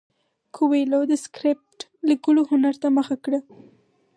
کویلیو د سکرېپټ لیکلو هنر ته مخه کړه.